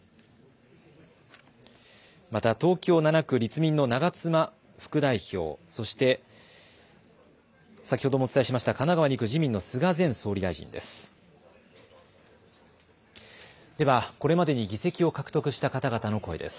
また東京７区、立民の長妻副代表、そして先ほどもお伝えしました神奈川２区、自民の菅前総理大臣です。